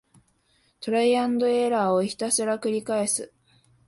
トライアンドエラーをひたすらくりかえす